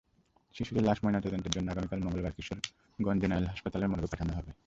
শিশুটির লাশ ময়নাতদন্তের জন্য আগামীকাল মঙ্গলবার কিশোরগঞ্জ জেনারেল হাসপাতাল মর্গে পাঠানো হবে।